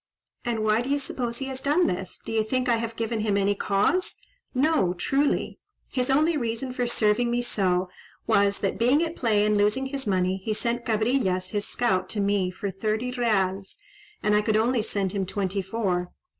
"And why do you suppose he has done this? Do you think I have given him any cause?—no, truly. His only reason for serving me so was, that being at play and losing his money, he sent Cabrillas, his scout, to me for thirty reals, and I could only send him twenty four.